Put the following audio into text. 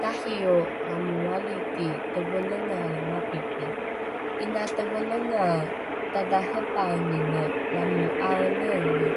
Tahiyo lamo 'aliki tevelengae mapipi, 'ina tevelengae tadhahepaenine lamo 'aeleele